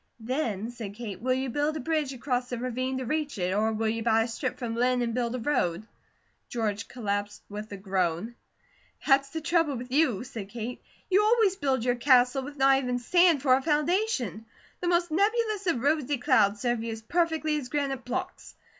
"Then," said Kate, "will you build a bridge across the ravine to reach it, or will you buy a strip from Linn and build a road?" George collapsed with a groan. "That's the trouble with you," said Kate. "You always build your castle with not even sand for a foundation. The most nebulous of rosy clouds serve you as perfectly as granite blocks.